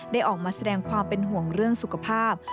ออกมาแสดงความเป็นห่วงเรื่องสุขภาพ